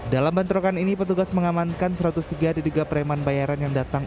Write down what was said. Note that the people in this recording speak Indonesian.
dalam bentrokan ini petugas mengamankan satu ratus tiga diduga preman bayaran yang datang